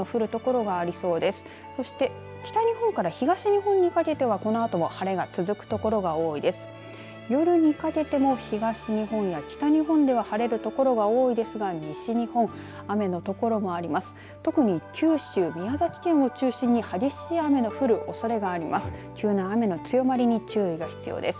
夜にかけても東日本や北日本では晴れる所が多いですが、西日本雨の所もあります。